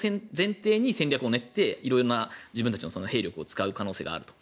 戦略を練って色々な自分たちの兵力を使う可能性があると。